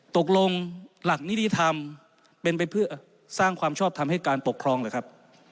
ตกลงหลักนิติธรรมเป็นไปเพื่อสร้างความชอบทำให้การปกครองหรือครับ